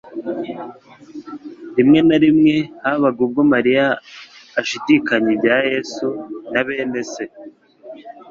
Rimwe na rimwe habaga ubwo Mariya ashidikanya ibya Yesu na bene se;